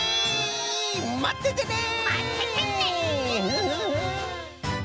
まっててね！